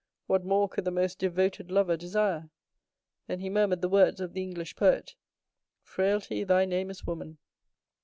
What more could the most devoted lover desire?" Then he murmured the words of the English poet, "'Frailty, thy name is woman.